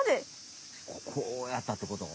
こうやったってこと？